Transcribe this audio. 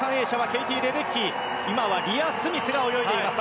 今はリア・スミスが泳いでいます。